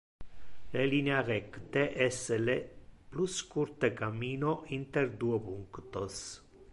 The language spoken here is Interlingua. Le linea recte es le plus curte cammino inter duo punctos.